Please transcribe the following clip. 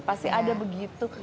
pasti ada begitu